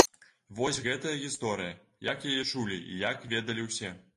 Вось гэтая гісторыя, як яе чулі і як ведалі ўсе.